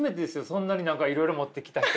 そんなに何かいろいろ持ってきた人。